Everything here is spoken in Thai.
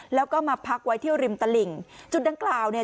แล้วก็มาพักไว้ที่ริมตลิ่งจุดดังกล่าวเนี่ย